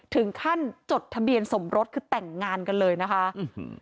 จดทะเบียนสมรสคือแต่งงานกันเลยนะคะอื้อหือ